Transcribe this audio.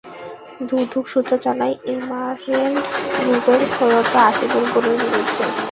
দুদক সূত্র জানায়, এমারেল্ড গ্রুপের সৈয়দ হাসিবুল গণির বিরুদ্ধে মামলা রয়েছে পাঁচটি।